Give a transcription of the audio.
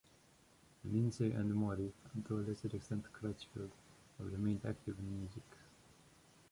Lindsay and Mori, and to a lesser extent Crutchfield, have remained active in music.